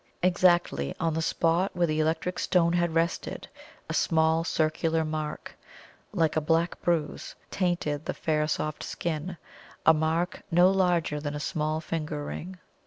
Exactly on the spot where the electric stone had rested, a small circular mark, like a black bruise, tainted the fair soft skin a mark no larger than a small finger ring.